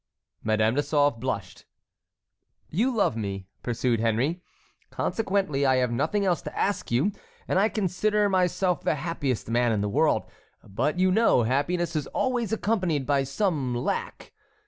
Madame de Sauve blushed. "You love me," pursued Henry, "consequently I have nothing else to ask you and I consider myself the happiest man in the world. But you know happiness is always accompanied by some lack.